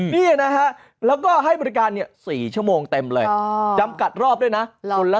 นี่นะฮะแล้วก็ให้บริการ๔ชั่วโมงเต็มเลยจำกัดรอบด้วยนะ